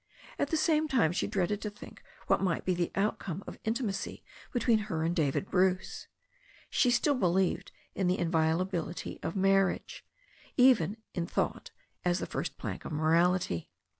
At the same time she dreaded to think what might be the outcome of intimacy between her and David Bruce. She still be lieved in the inviolability of the marriage bond, even in thought, as the first plank of morality.